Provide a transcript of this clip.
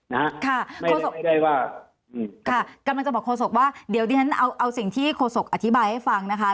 ค่ะโคศกค่ะกำลังจะบอกโคศกว่าเดี๋ยวดิฉันเอาสิ่งที่โคศกอธิบายให้ฟังนะคะ